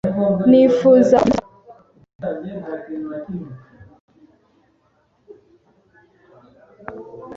Nifuzaga ko ikintu cyiza cyabaho.